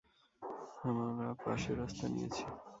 আমরা পাশের রাস্তা নিয়েছি।